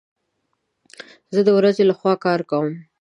زه د ورځي لخوا کار کوم